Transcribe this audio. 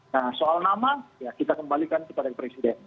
nah soal nama ya kita kembalikan kepada presiden